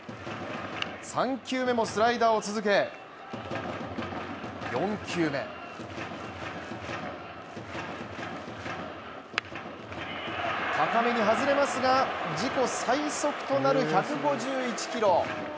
３球目もスライダーを続け４球目高めに外れますが、自己最速となる１５１キロ。